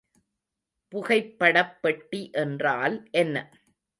புகைப்படப்பெட்டி என்றால் என்ன?